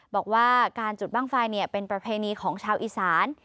บอกว่าการจุดบ้างไฟเป็นประเพณีของชาวอีสาน